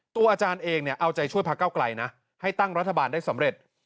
อาจารย์เองเนี่ยเอาใจช่วยพระเก้าไกลนะให้ตั้งรัฐบาลได้สำเร็จ